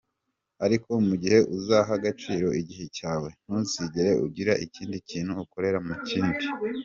Ariko mu gihe uzaha agaciro igihe cyawe, ntuzigera ugira ikindi kintu ukorera mu kindi.